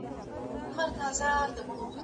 زموږ يقين دئ عالمونه به حيران سي